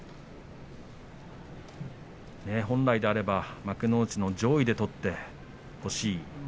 本来であれば幕内の上位で取ってほしい。